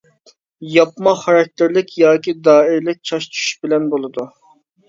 ياپما خاراكتېرلىك ياكى دائىرىلىك چاچ چۈشۈش بىلەن بولىدۇ.